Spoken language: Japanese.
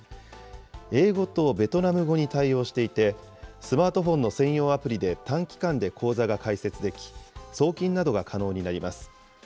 英語とベトナム語に対応していて、スマートフォンの専用アプリで短期間で口座が開設でき、送金などが可能になります。